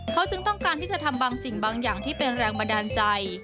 เขาจึงต้องการที่จะทำบางสิ่งบางอย่างที่เป็นแรงบันดาลใจ